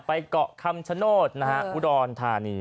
ไปเกาะคามชะโนธอุดรนธานี